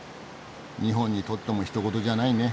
日本にとってもひと事じゃないね。